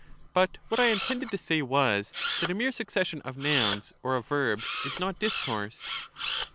But what I intended to say was, that a mere succession of nouns or of verbs is not discourse.